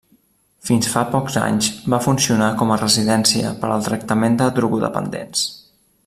Fins fa pocs anys va funcionar com a residència per al tractament de drogodependents.